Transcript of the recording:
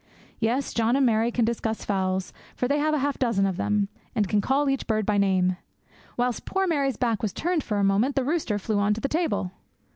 Yes, John and Mary can discuss fowls, for they have a dozen of them, and they call each bird by name. Whilst poor Mary's back was turned for a moment the rooster flew on to the table.